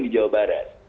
di jawa barat